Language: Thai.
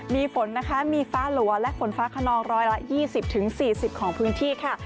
มีฝนนะคะมีฟ้าหลัวและฝนฟ้าขนองร้อยละ๒๐๔๐ของพื้นที่ค่ะ